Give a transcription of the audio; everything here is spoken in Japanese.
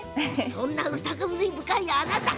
そんな疑り深いあなた。